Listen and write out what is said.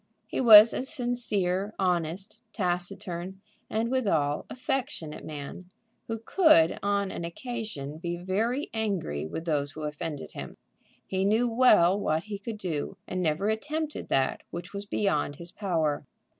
He was a sincere, honest, taciturn, and withal, affectionate man, who could on an occasion be very angry with those who offended him. He knew well what he could do, and never attempted that which was beyond his power.